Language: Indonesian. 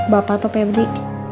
bapak atau pebri